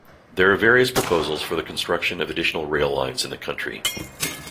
There are various proposals for the construction of additional rail lines in the country.